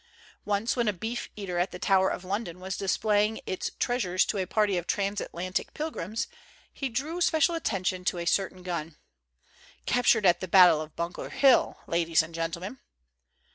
Once when a Beef eater at the Tower of London was displaying its trea sures to a party of transatlantic pilgrims, he drew special attention to a certain gun, "captured at the battle of Bunker Hill, ladies and gentlemen